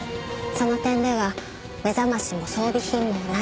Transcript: その点では目覚ましも装備品も同じ。